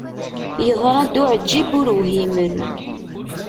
Yeḍra-d uεeǧǧib ur whimen.